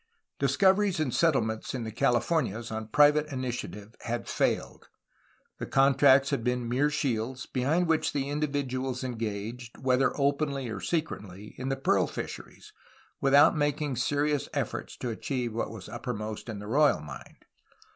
Discoveries and settlements in the Californias on private initiative had failed. The contracts had been mere shields, behind which individuals « engaged, whether openly or secretly, in the pearl fisheries, without making serious efforts to achieve what was uppermost in the royal mind.